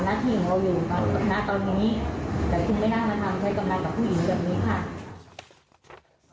และทำตามหน้าที่อย่างเราอยู่กับหน้าตอนนี้